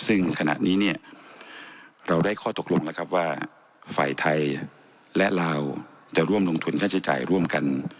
ซึ่งขณะนี้เนี่ยเราได้ข้อตกลงนะครับว่าฝ่ายไทยและลาวจะร่วมลงทุนค่าใช้จ่ายร่วมกัน